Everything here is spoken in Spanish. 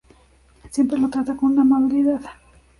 Siempre lo trata con gran amabilidad.